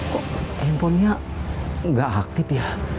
kok handphonenya nggak aktif ya